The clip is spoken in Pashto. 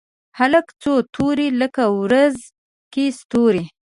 هلک څو توري لکه ورځ کې ستوري